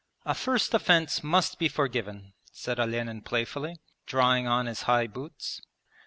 'A first offence must be forgiven,' said Olenin playfully, drawing on his high boots.